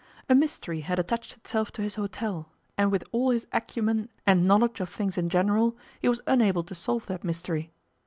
A mystery had attached itself to his hotel, and with all his acumen and knowledge of things in general he was unable to solve that mystery.